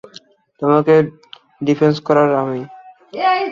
তোমাকে ডিফেন্ড করলাম আমি।